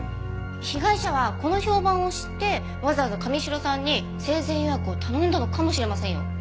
被害者はこの評判を知ってわざわざ神城さんに生前予約を頼んだのかもしれませんよ。